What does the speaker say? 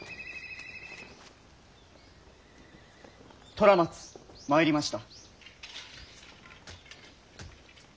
虎松参りました。